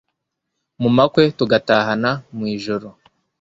mu makwe tugatahana mu ijoro